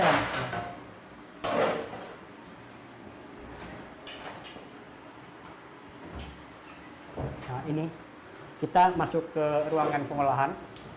nah ini kita masuk ke ruangan pengolahan